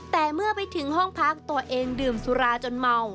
แต่เมื่อไปถึงห้องพักตัวเองดื่มสุราจนเมา